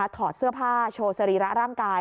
ถอดเสื้อผ้าโชว์สรีระร่างกาย